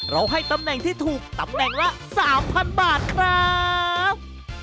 ให้ตำแหน่งที่ถูกตำแหน่งละ๓๐๐บาทครับ